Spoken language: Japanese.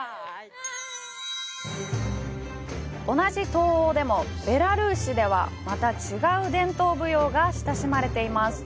同じ東欧でも、ベラルーシでは、また違う伝統舞踊が親しまれています。